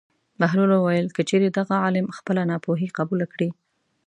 بهلول وویل: که چېرې دغه عالم خپله ناپوهي قبوله کړي.